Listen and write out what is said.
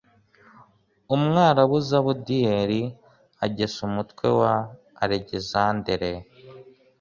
umwarabu zabudiyeli, agesa umutwe w'alegisanderi